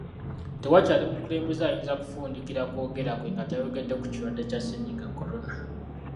Tewakyali mukulembeze ayinza kufundikira kwogera kwe nga tayogedde ku kirwadde kya Ssennyiga Corona